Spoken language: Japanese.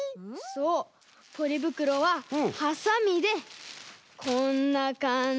そうポリぶくろはハサミでこんなかんじで。